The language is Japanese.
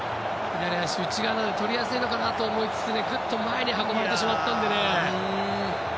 左足、内側なので取りやすいのかなと思いつつぐっと前に運んでしまったので。